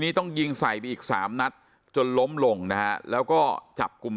ต้องยิงใส่ไปอีกสามนัดจนล้มลงนะฮะแล้วก็จับกลุ่ม